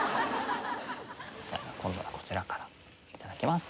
じゃあ今度はこちらから頂きます。